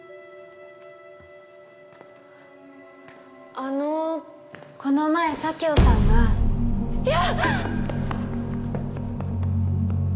あのこの前佐京さんがいや！